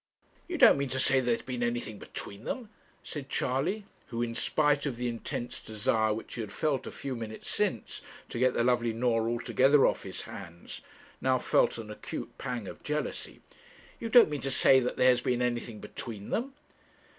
'You don't mean to say that there has been anything between them?' said Charley, who in spite of the intense desire which he had felt a few minutes since to get the lovely Norah altogether off his hands, now felt an acute pang of jealousy.' You don't mean to say that there has been anything between them?'